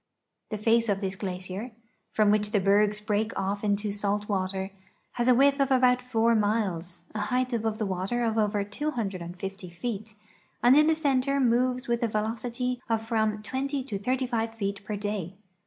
The face of this glacier, from which the bergs break off into salt water, has a width of about four miles, a height above the water of over 250 feet, and in the center moves with a velocity of from 20 to 35 feet per day.